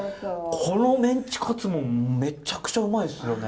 このメンチカツもめっちゃくちゃうまいっすよね。